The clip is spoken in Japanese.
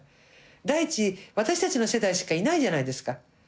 第一私たちの世代しかいないじゃないですか。